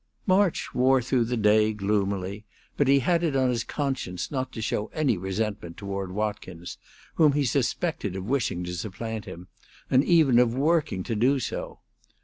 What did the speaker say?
March wore through the day gloomily, but he had it on his conscience not to show any resentment toward Watkins, whom he suspected of wishing to supplant him, and even of working to do so.